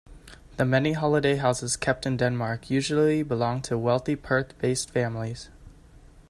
The many holiday houses kept in Denmark usually belong to wealthy Perth-based families.